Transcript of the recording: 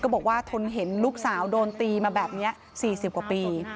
บอกว่าทนเห็นลูกสาวโดนตีมาแบบนี้๔๐กว่าปี